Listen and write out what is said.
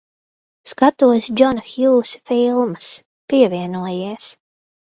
Skatos Džona Hjūsa filmas. Pievienojies.